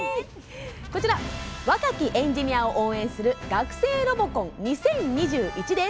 若きエンジニアを応援する「学生ロボコン２０２１」です。